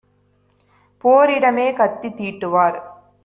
போரிடமே கத்தி தீட்டுவார்!